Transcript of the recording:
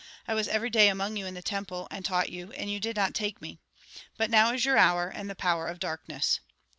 I was every day among you in the temple, and taught you, and you did not take me. But now is your hour, and the power of darkness."